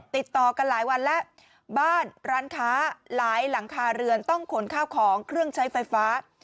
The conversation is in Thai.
ติดต่อกันหลายวันแล้วบ้านร้านค้าหลายหลังคาเรือนต้องขนข้าวของเครื่องใช้ไฟฟ้า